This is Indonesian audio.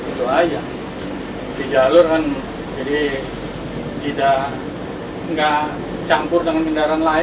itu aja di jalur kan jadi tidak campur dengan kendaraan lain